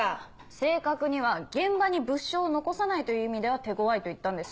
正確には現場に物証を残さないという意味では手ごわいと言ったんです。